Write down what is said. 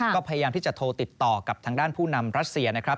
ก็พยายามที่จะโทรติดต่อกับทางด้านผู้นำรัสเซียนะครับ